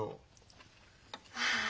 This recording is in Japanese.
ああ。